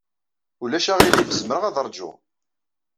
Ulac aɣilif. Zemreɣ ad ṛjuɣ.